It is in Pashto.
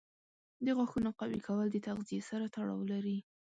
د غاښونو قوي کول د تغذیې سره تړاو لري.